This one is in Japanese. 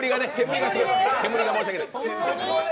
煙がね、申し訳ない。